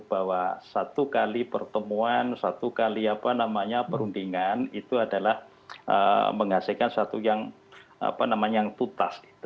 bahwa satu kali pertemuan satu kali apa namanya perundingan itu adalah menghasilkan satu yang tutas